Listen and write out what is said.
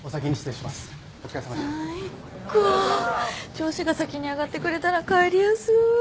上司が先に上がってくれたら帰りやすい。